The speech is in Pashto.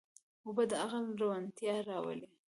اوبه د عقل روڼتیا راولي.